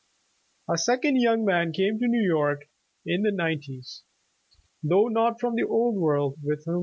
A second young man came to New York in the nine ties, though not from the old world, with whom.